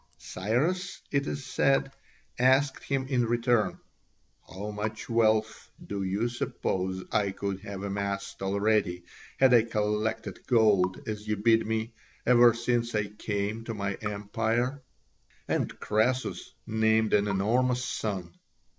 Cyrus, it is said, asked him in return, "How much wealth do you suppose I could have amassed already, had I collected gold, as you bid me, ever since I came into my empire?" And Croesus named an enormous sum.